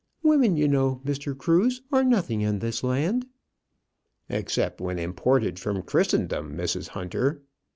Women, you know, Mr. Cruse, are nothing in this land." "Except when imported from Christendom, Mrs. Hunter."